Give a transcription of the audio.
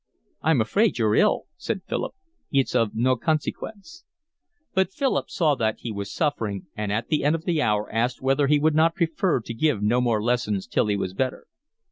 "I'm afraid you're ill," said Philip. "It's of no consequence." But Philip saw that he was suffering, and at the end of the hour asked whether he would not prefer to give no more lessons till he was better.